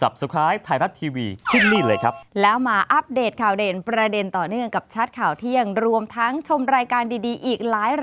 โปรดติดตามตอนต่อไป